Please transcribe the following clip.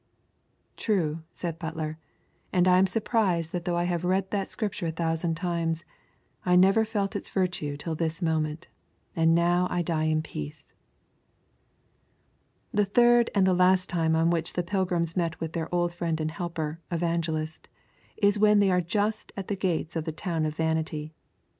"' 'True,' said Butler, 'and I am surprised that though I have read that Scripture a thousand times, I never felt its virtue till this moment, and now I die in peace.' The third and the last time on which the pilgrims meet with their old friend and helper, Evangelist, is when they are just at the gates of the town of Vanity.